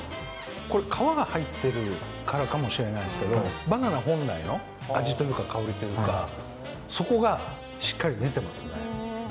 これ皮が入ってるからかもしれないですけどバナナ本来の味というか香りというかそこがしっかり出てますね